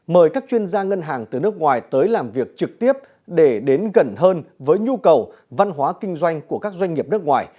mời các chuyên gia ngân hàng từ nước ngoài tới làm việc trực tiếp để đến gần hơn với nhu cầu văn hóa kinh doanh của các doanh nghiệp nước ngoài